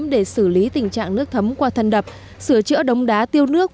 để xử lý tình trạng nước thấm qua thân đập sửa chữa đống đá tiêu nước